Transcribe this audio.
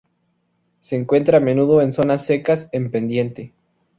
Se encuentra a menudo en zonas secas, en pendiente.